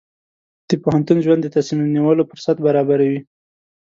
د پوهنتون ژوند د تصمیم نیولو فرصت برابروي.